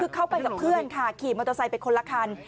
คือเข้าไปกับเพื่อนค่ะขี่มอเตอร์ไซค์ไปคนละคัน